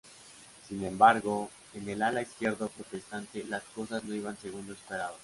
Sin embargo, en el ala izquierda protestante las cosas no iban según lo esperado.